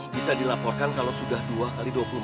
bisa dilaporkan kalau sudah dua x dua puluh empat jam